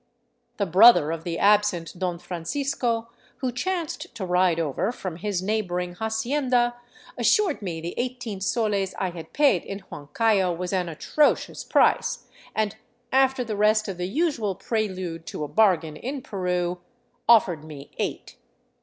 The brother of the absent Don Francisco, who chanced to ride over from his neighboring hacienda, assured me the eighteen soles I had paid in Huancayo was an " atrocious " price, and after the rest of the usual prelude to a bargain in Peru, offered me eight.